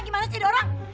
hah gimana sih diorang